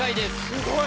すごい！